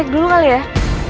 kita akan kasih diafitin